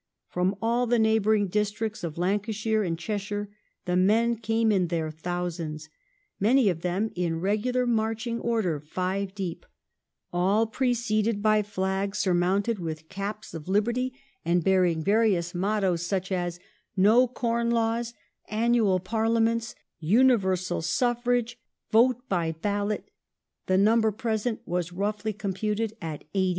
From all the neighbouring districts of Lancashire and Cheshire the men came in their thousands ;" many of them in regular marching order five deep "; all preceded by flags surmounted with caps of 1822] PETERLOO 35 liberty and bearing various mottoes such as '* No Com Laws," "Annual Parliaments," "Universal Suffrage," "Vote by Ballot ". The number present was roughly computed at 80,000.